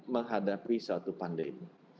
menghadapi suatu pandemi